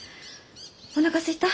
おなかすいた？